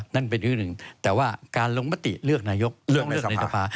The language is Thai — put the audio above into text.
นั่นเป็นที่หนึ่งแต่ว่าการลงมติเลือกนายกเลือกในสภา